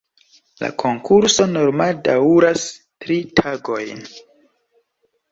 La konkurso normale daŭras tri tagojn.